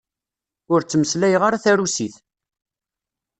Ur ttmeslayeɣ ara tarusit.